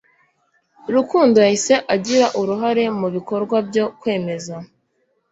Rukundo yahise agira uruhare mu bikorwa byo kwemeza,